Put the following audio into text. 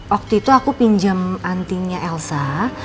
waktu itu aku pinjam antinya elsa